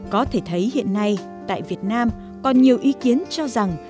có thể thấy hiện nay tại việt nam còn nhiều ý kiến cho rằng